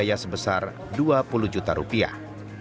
biaya sebesar dua puluh juta rupiah